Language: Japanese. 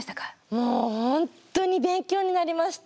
もう本当に勉強になりました。